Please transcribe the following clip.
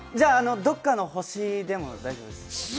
どっかの星でも大丈夫です。